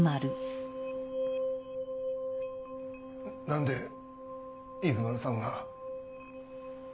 何で伊豆丸さんが。